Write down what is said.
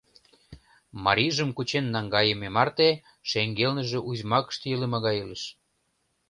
Марийжым кучен наҥгайыме марте шеҥгелныже узьмакыште илыме гай илыш.